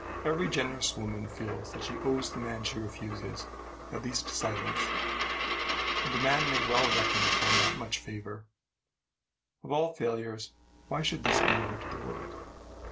Every generous woman feels that she owes the man she refuses at least silence; and a man may well reckon upon that much favor. Of all failures, why should this be known to the world?